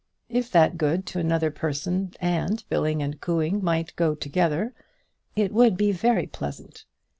If that good to another person and billing and cooing might go together, it would be very pleasant.